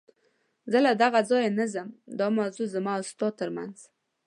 زه له دغه ځایه نه ځم، دا موضوع زما او ستا تر منځ.